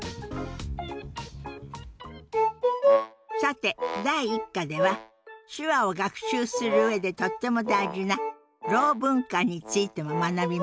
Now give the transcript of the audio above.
さて第１課では手話を学習する上でとっても大事なろう文化についても学びましたね。